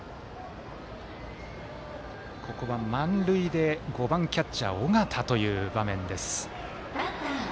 ここは満塁で５番のキャッチャー、尾形という場面。